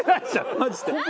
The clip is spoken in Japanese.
マジで。